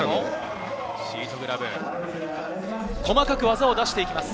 細かく技を出してきました。